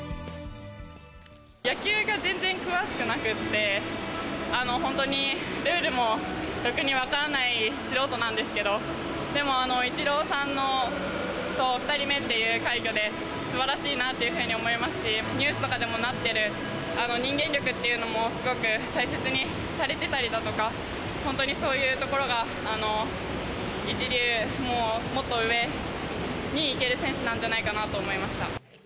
野球が全然詳しくなくって、本当にルールもろくに分からない素人なんですけど、でもイチローさんと、２人目っていう快挙で、すばらしいなというふうに思いますし、ニュースとかでもなってる、人間力っていうのもすごく大切にされてたりだとか、本当にそういうところが一流、もうもっと上にいける選手なんじゃないかなと思いました。